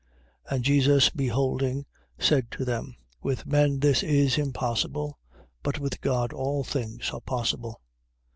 19:26. And Jesus beholding, said to them: With men this is impossible: but with God all things are possible.